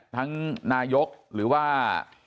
ทั้งนายกหรือว่า